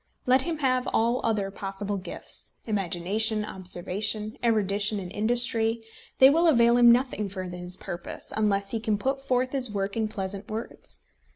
Let him have all other possible gifts, imagination, observation, erudition, and industry, they will avail him nothing for his purpose, unless he can put forth his work in pleasant words.